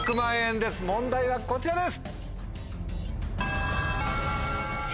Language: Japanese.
問題はこちらです！